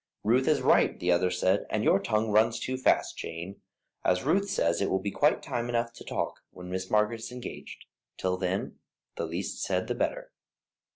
"Ruth is right," the other said, "and your tongue runs too fast, Jane. As Ruth says, it will be quite time enough to talk when Miss Margaret is engaged; till then the least said the better."